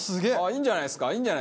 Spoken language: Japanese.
いいんじゃないですか？